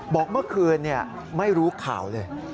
บอกเมื่อคืนไม่รู้ข่าวเลย